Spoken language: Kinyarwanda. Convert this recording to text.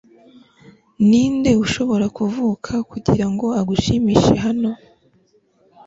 ninde ushobora kuvuka kugirango agushimishe hano